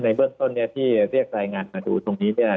เบื้องต้นเนี่ยที่เรียกรายงานมาดูตรงนี้เนี่ย